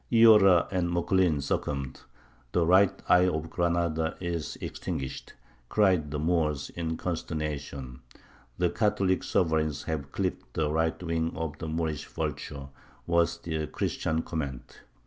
Illora and Moclin succumbed; "the right eye of Granada is extinguished," cried the Moors in consternation; "the Catholic sovereigns have clipped the right wing of the Moorish vulture," was the Christian comment.